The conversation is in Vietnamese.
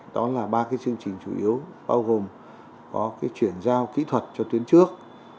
đó là ba cái chương trình chủ yếu bao gồm có chuyển giao kỹ thuật cho tuyến trước